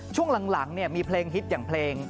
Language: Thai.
ช่วงหลังมีเพลงฮิตอย่างเพลง